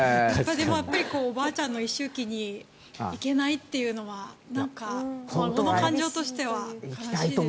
おばあちゃんの一周忌に行けないというのは孫の感情としては悲しいですよね。